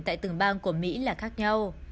tại từng bang của mỹ là khác nhau